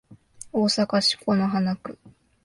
大阪市此花区